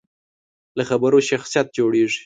له خبرو شخصیت جوړېږي.